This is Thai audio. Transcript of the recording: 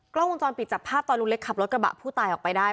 กล้องวงจรปิดจับภาพตอนลุงเล็กขับรถกระบะผู้ตายออกไปได้